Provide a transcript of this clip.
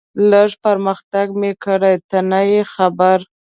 لږ پرمختګ مې کړی، ته نه یې خبر.